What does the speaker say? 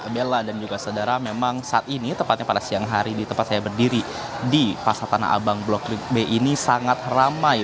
bella dan juga sedara memang saat ini tepatnya pada siang hari di tempat saya berdiri di pasar tanah abang blok b ini sangat ramai